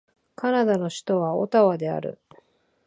カナダの首都はオタワである